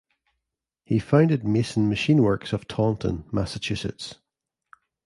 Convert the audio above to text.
He founded Mason Machine Works of Taunton, Massachusetts.